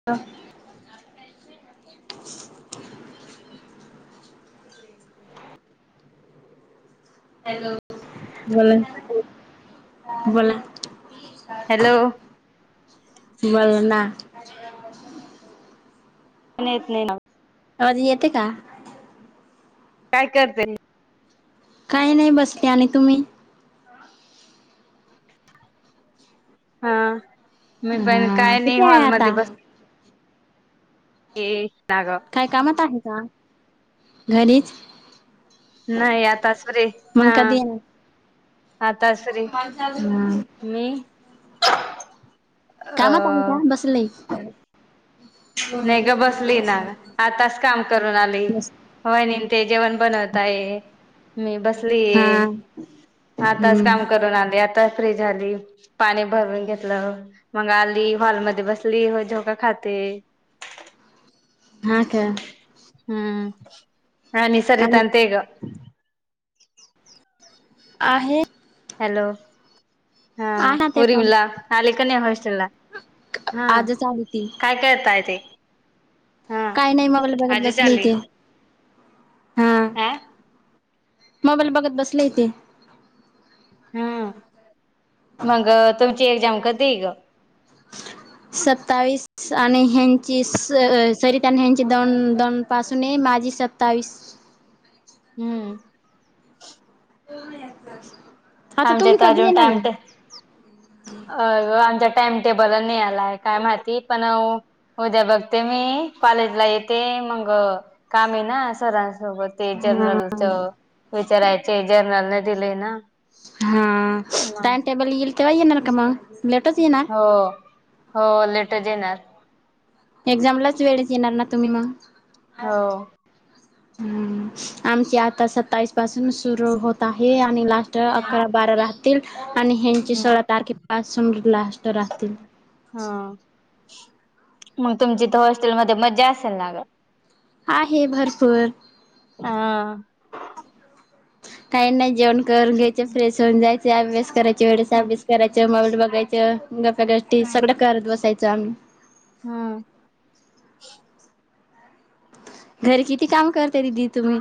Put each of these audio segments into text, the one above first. [inaudible] [inaudible] Hello. बोला. बोला. Hello. बोला ना! येत नाही ना. आवाज येते का? काय करतेय? काही नाही बसले. आणि तुम्ही? हा, मी पण हा काय नाही कुठे आहे हॉलमध्ये आता बस ए जाग. काय कामात आहे का? घरीच. नाही आता फ्री. मग कधी येणार? आता फ्री. हा मी. अ कामात आहे का? बसलंय! नाही ग बसली ना, आताच काम करून आली. वहिनी ते जेवण बनवत आहे. मी हा बसलीये आताच हम्म काम करून आले, आता फ्री झाली. पाणी भरून घेतलं, मग आली हॉलमध्ये बसली मग झोका खाते. हा का हम्म आणि सरितान ते गं आहे. हॅलो! हा आहे ना ते पण आली का नाही हॉस्टेलला हा, आजच आली ती काय करताय ते हा काही नाही मोबाईल बघत आजच बसली आली होती, हा मोबाईल बघत बसले इथे हम्म मग तुमची एक्झाम कधीये गं? सत्तावीस आणि ह्यांची स सरिता अन ह्यांची दोन दोन पासून ये, माझी सत्तावीस हम्म. आता आमच्या तुम्ही तर कधी अजून येणार टाइम ये? टे अ आमचा टाइम टेबल नाही आलाय काय माहिती पण उद्या बघते मी कॉलेजला येते, मग काम आहे ना सरांसोबत ते हा जर्नलच विचारायचय जर्नल नाही दिले ना हा, टाइम टेबल येईल तेव्हा येणार का मग लेटच येना हो, हो लेटच येणार. एक्झामलाच वेळीच येणार ना तुम्ही मग हो हम्म, आमची आता सत्तावीस पासून सुरू होत आहे आणि लास्ट आता ह अकरा बारा राहतील आणि ह्यांची सोळा तारखे पासून लास्ट राहतील. हा, मग तुमची त हॉस्टेल मध्ये मज्जा असल ना ग आहे भरपूर हा. काही नाही जेवण करून घ्यायचे, फ्रेश होऊन जायचे, अभ्यास कराय तेवढंच हा अभ्यास करायचं, मोबाईल बघायचं गप्पा गोष्टी हा. सगळं करत बसायचं आम्ही हम्म. घरी किती काम करत्या दिदी तुम्ही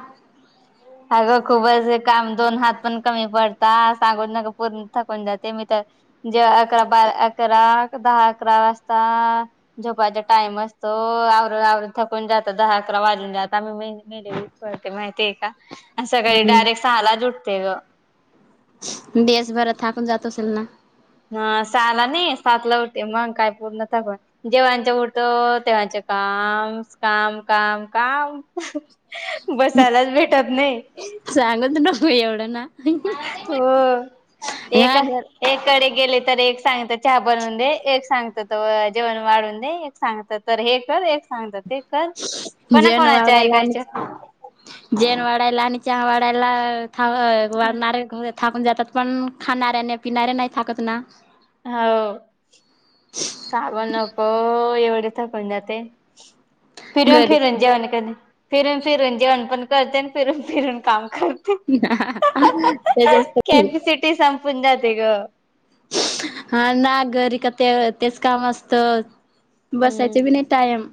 अगं खूपच काम दोन हात पण कमी पडता सांगू नको थकून जाते मी तर, जेव्हा अकरा बारा अकरा दहा अकरा वाजता झोपायचा टाइम असतो, आवरू आवरू थकून जाता दहा अकरा वाजून जात आम्ही महिन पळते माहितीे ये का अन सकाळी डायरेक्ट हम्म सहालाच उठते गं दिवसभरात थाकून जात असेल ना हं सहाला नाही सातला उठते, मग काय पूर्ण थकून जेव्हाचं उठो तेव्हाचं काम, काम काम काम बसायलाच भेटत नाही. सांगत नको एवढं ना. हो, हे हा घर काय एककडे गेले तर एक सांगत चहा बनवून दे, एक सांगत जेवण वाढवू दे एक सांगत्यात तर हे करस एक सांगता ते कर, कोणा जेन कोणाचे वाढायला आणि ऐकायचे. जेन वाडायला आणि चहा वाडायला थां वाडणारे येत. थाकून जातात पण खाणाऱ्या नाही पिणाऱ्या नाही थकत ना हाव [inaudible] सांगू नको एवढे थकून जाते. फिरून, घरी फिरून जेवण करणे. फिरून, फिरून जेवण पण करते अन् फिरून, फिरून काम करत त्याच्याच कॅप्यासिटी संपून जाते गं. हा ना, घरी क ते तेच काम असतं. हम्म बसायचं बी नाही टाइम.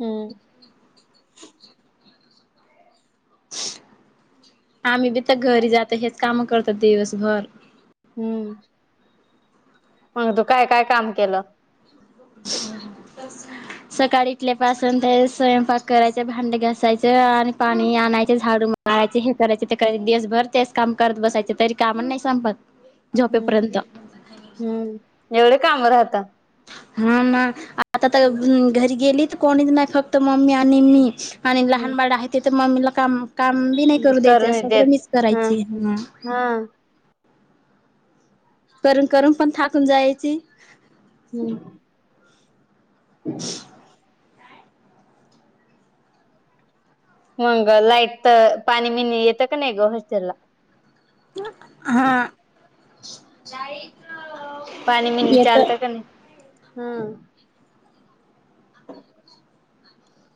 हम्म. आम्ही बी तर घरी जात हेच काम करतं दिवसभर. हम्म. मग तू काय-काय काम केलं? [inaudible] [inaudible] सकाळी उठल्या पासून ते स्वयंपाक करायचे, भांडे घासायचे आणि पाणी आणायचे झाडू मा मारायचे, हे करायचे, ते करायचे, दिवसभर तेच काम करत बसायचे, तरी काम नाही संपत. हम्म, झोपेपर्यंत हम्म. एवढे काम राहता? हा ना, आता तर घरी गेली तर, कोणीच नाही फक् क्त मम्मी आणि मीच. आणि लहान बाळ आहे ते तर मम्मीला काम- काम बी नाही करू द्यायचे. करून देत सगळं मिच हा करायची हं. हा. करून, करून पण थाकून जायची. हम्म. [inaudible] मंग लाईट तर, पाणी बीनी येतं का नाही ग हॉस्टेल ला? हा. पाणी बीनी येत चालता का नाही? हम्म.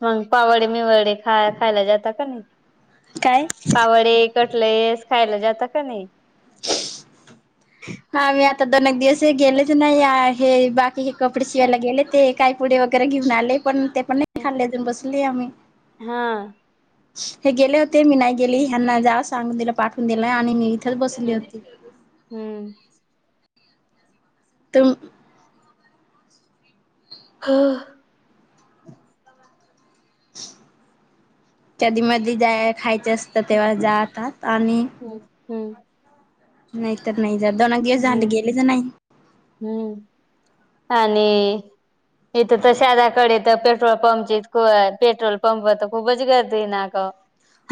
मग पाव वडे, मिवडे खा खायला जातात का नाही? काय पाव वडे कटलेस खायला जाता का नाही? हा, मी आता दोन एक दिवस गेलेच नाही आहे, बाकीचे कपडे शिवायला गेले ते. काही पुडी वगैरे घेऊन आले, पण ते पण नाही खाल्ले बसले आम्ही. हा. हे गेले होते मी नाही गेली. ह्यांना जा सांगून दिलं, पाठवून दिलं आणि मी इथेच बसली हम्म होती. हम्म. तुम् हा. कधी मधी जेव्हा खायच असतं तेव्हा जातात आणि हं, हम्म. नाहीत नाही जात, दोन दिेवस हम्म झाले गेलेच नाही. हम्म आणि इथं तर शहरा कडे तर पेट्रोल पंपची, पेट्रोल पंपवर तर खूपच गर्दीये ना ग.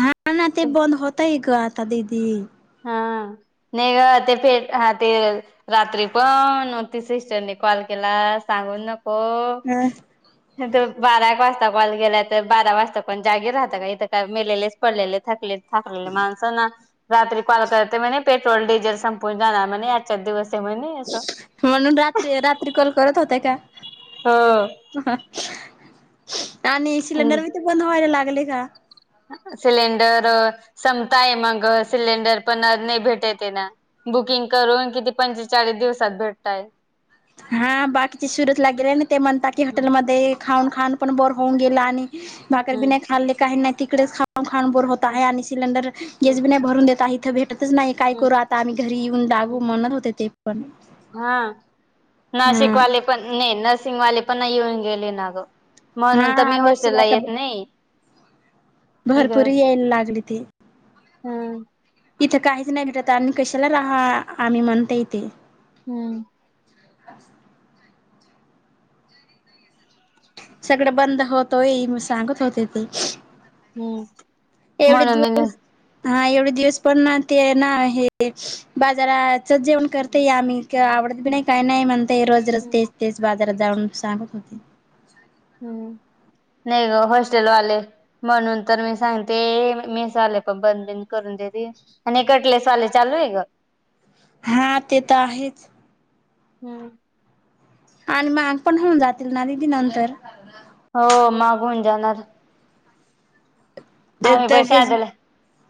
हा ना ते बंद होतय ग आता दीदी. हा. नाही ग, ते पेट हा ते रात्री पण ती सिस्टरने कॉल केला सांगू नको. अ त बारा एक वाजता कॉल केलाय, तर बारा वाजता कोण जागी राहत का, इथं काय मेलेलेच पडलेले थकलेत. थकलेले माणसं ना रात्री कॉल करते म्हणे पेट्रोल, डिझेल संपून जाणार म्हणे आजच्या दिवस ये म्हने असं. म्हणून रात्री रात्री कॉल करत होत्या का? हो आणि हो सिलेंडर बी ते बंद व्हायला लागले का? सिलेंडर संपताय मग सिलेंडर पण नाही भेटतय ना. बुकिंग करून किती पंचेचाळीस दिवसात भेटतात. हा बाकीचे सुरत ला गेले ना ते म्हणतात की हॉटेलमध्ये खाऊन खाऊन पण बोर होऊन गेल आणि भाकरी बी नाही खाल्ली काही नाही तिकडेच खाऊन खाऊन बोर होत आहे आणि सिलेंडर गॅस बि नाही भरून देत हाय इथ भेटतच नाही काय करू आता आम्ही घरी येऊन दागू म्हणत होते ते पण. हां हा नाशिकवाले पण नाही नरसिंगवाले पण येऊन गेले ना ग. हा म्हणून तर मी आले असेल हॉस्टेलला येत नाही. ही ग भरपूरी यायला लागली ती. हम्म इथ काहीच नाही भेटत आणि कशाला राहा आम्ही म्हणतर इथय. हम्म. सगळ बंद होतोय मग सांगत होते ते. हम्म एवढे म्हणून मी दिवस हां एवढे दिवस पण ना ते ना हे बाजाराचच जेवण करतोय आम्ही. काय आवडत बी नाही काही नाही म्हणतय रोज रोज तेच तेच बाजारात जाऊन सांगत होते. नाही ग होस्टेल वाले म्हणून तर मी सांगते मेस वाले पण बंद बींद करून देेत आणि कटलेसवाले चालू आहे ग? हा ते तर आहेच. हम्म. आणि महाग पण होऊन जातील ना दिदी नंतर. हो महाग होऊन जाणार. आम्ही एकदा पण गॅस शहादाला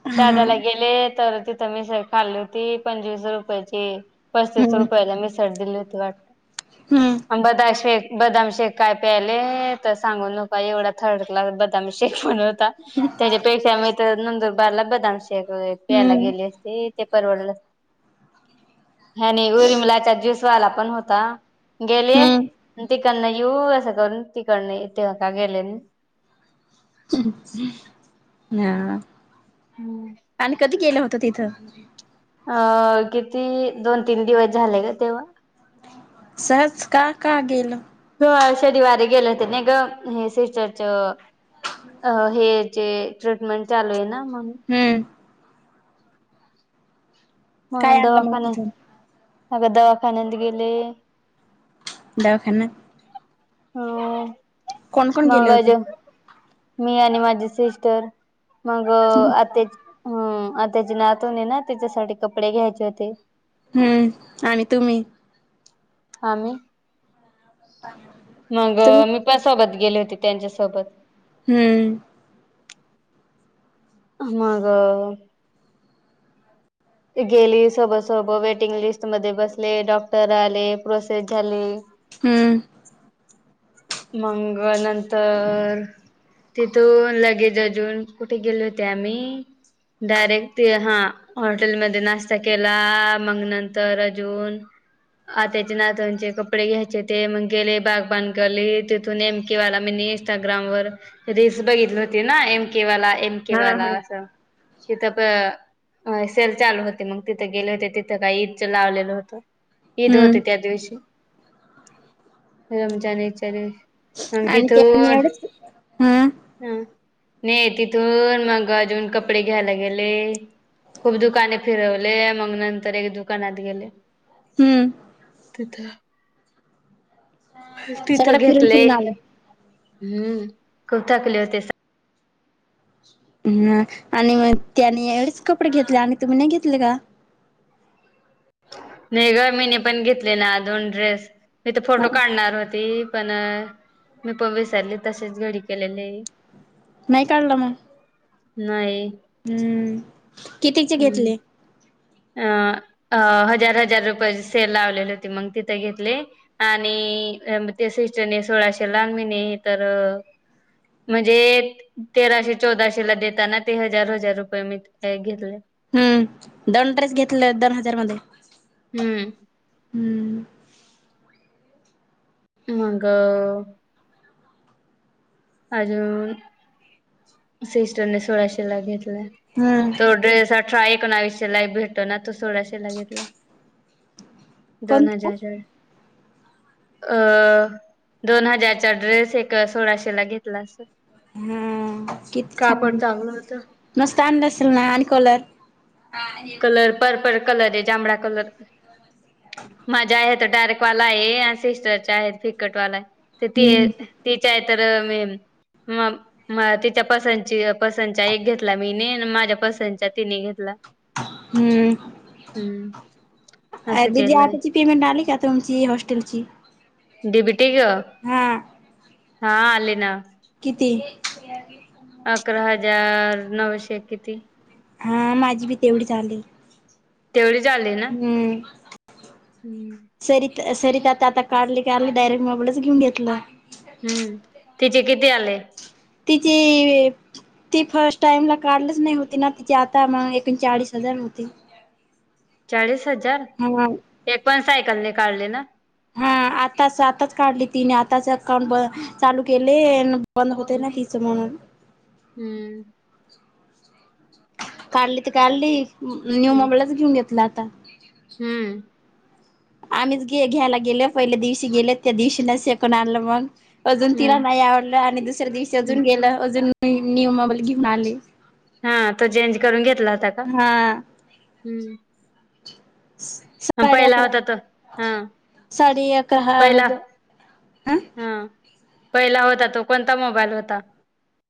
हा हा शहादाला गेले तर तिथ तिथ मिसळ खाल्ली होती पंचवीस रुपयाची पस्तीस हम्म रुपयाला मिसळ दिली होती वाट [inaudible] हम्म. बदाम शेक बदाम शेक काय प्यायले तर सांगू नका एवढा थर्ड क्लास बदाम शेक म्हणून. त्याच्यापेक्षा मी तर नंदुरबारला बदाम शेक प्यायला हम्म गेले असते. ते परवडल ह्यानी उरिमलाचा ज्यूसवाला पण होता गेले हम्म तिकडन येऊ अस करून तिकडन इथे का गेले हां. हम्म. आणि कधी केल होत तिथ? किती दोन तीन दिवस झाले ग तेव्हा. सहज का का गेल हो शनिवारी गेले होते नाही ग हे सिस्टरच हेचे ट्रीटमेंट चालू आहे ना म्हणून. हम्म म्हणून काय आणलं मग तिथून दवाखान्यात अग दवाखान्यात गेले. दवाखान्यात हो कोण कोण गेले मंग होते अजून मी आणि माझे सिस्टर मग [inaudible] हम.. आ त्याचे नातवने ना त्याच्यासाठी कपडे घ्यायचे होते हम्म आणि तुम्ही. आम्ही. [inaudible] मग तुम्ही मीपण सोबत गेले होते त्याच्या सोबत. हम्म. मग अ.. गेली सोबा सोबा वेटिंग लिस्ट मध्ये बसले, डॉक्टर आले, प्रोसेस झाली. हम्म. मंग नंतर तिथून लगेज अजून कुठे गेले होते आम्ही, डायरेक्ट ते हा हॉटेल मध्ये नाश्ता केला मग नंतर अजून आत्याचे आणी नातवाचे कपडे घ्यायचे होते, मग गेले बाग बाण गलीत तेथूनं, एम केवाला मीनं इस्टाग्राम व रील्स बघितली होती ना, एम के वाला ऐ के हा वाला हा आसा तिथे प सेल चालू होती, मग तिथे गेले होते तिथं काय ईदचं लावलेलं होतं. ईद हम्म होते त्या दिवशी रमजानच्या दिवशी. अनं आणि त्यांनी तिथं एवढेच हं ह नाही तिथूनं मग अजून कपडे घ्यायला गेले. खूप दुकाने फिरवले मग नंतर एक दुकानात गेले. हम्म. तिथं सगळं तिथं फिरून घेतले, फिरून आलो. हम्म... खूप थकले होते सगळे. ह आणि मग त्याने एवढेचं कपडे घेतले आणि तुम्ही नाही घेतले का? नाही गं, मी ने पण घेतले ना दोन ड्रेस, तिथं फोटो काढणार होती. पण मी पण विसरली, तसेचं घडी केलेले नाही काढलं मग. नाही. हम्म. कितीचे हम्म. घेतले अ हजार हजार रुपयाची सेल लावलेली होती, मग तिथे घेतले. आणि त्या सिस्टरने सोळाशेला, मीने तर मजेत. तेराशे-चौदाशे ला देताना ते हजार हजार रुपये मी घेतले. हम्म. दोन ड्रेस घेतले दोन हजार मध्ये. हम्म. हम्म मग अ... अजून सिस्टरने सोलाशे ला घेतले. हम्म तो ड्रेस अठरा एकोणावीसशेला भेटना, तो सोळाशेला घेतला. दोन कोणता हजारा र अ दोन हजारचा ड्रेस एक सोळाशे ला घेतला. लासेल हा किती छान कापड चांगलं होतं. मस्त आणलं असेल ना आणि कलरं कलर पर्पल कलरये जांभळा कलर, माझा आहे डार्कवाला आहे आणि सिस्टरच्या आहेत फिकटवाला आहे. त हम्म ते तिच्या आहे तर मी म तिच्या पसंदची पसंतच्या एक घेतला मीने, अन् माझ्या पसंतच्या तिने घेतला. हम्म हम्म असं दीदी केलंय आताची पेमेंट आली का तुमची हॉस्टेलची, डिबिटी ग हा हा आले ना. किती? [inaudible] अकरा हजार नऊशे किती हा माझी बी तेवढीच आली. तेवढी झाली. हम्म सरी सरीत आता आता काढली का डायरेक्ट मोबाईलच घेऊन घेतलं. हम्म तेचे किती आले. तिची ती फर्स्ट टाईम ला काढलच नाही होती ना तिची आता मग पण चाळीस हजार होते. चाळीस हजार. हा एक पण सायकल नि काढली ना? हा आताच आताच काढली तिने आताच अकाउंट ब चालू केली बंद होते ना हिच म्हणून, हम्म काढली तर काढली न्यू हम्म मोबाईलच घेऊन घेतला आता. हम्म आम्हीच गे घ्यायला गेलो पहिल्या दिवशी गेले त्या दिवशी सेकण आलं मग. अजून तिला नाही आवडलं आणि दुसऱ्या दिवशी अजून गेलं, अजून न्यू मोबाईल घेऊन आले. हा तो चेंज करून घेतला होता का, हा हम् स-साडे होता तो अकरा हा साडे अकरा पहिला ह-हजार हा पहिला होता तो कोणता मोबाईल होता.